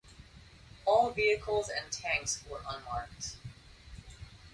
All vehicles and tanks were unmarked.